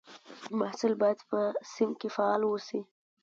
محصل باید په صنف کې فعال واوسي.